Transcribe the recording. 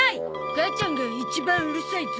母ちゃんが一番うるさいゾ。